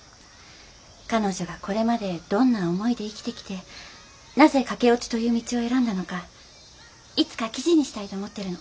彼女がこれまでどんな思いで生きてきてなぜ駆け落ちという道を選んだのかいつか記事にしたいと思ってるの。